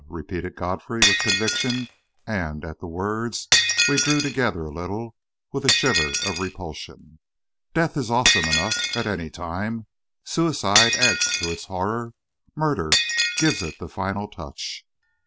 repeated Godfrey, with conviction; and, at the words, we drew together a little, with a shiver of repulsion. Death is awesome enough at any time; suicide adds to its horror; murder gives it the final touch.